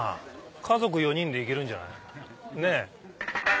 家族４人でいけるんじゃない？ねぇ。